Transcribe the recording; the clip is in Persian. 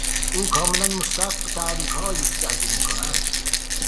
او کاملا مستحق تعریفهایی است که از او میکنند.